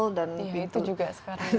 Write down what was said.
iya itu juga sekali